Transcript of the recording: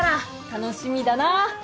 楽しみだな海！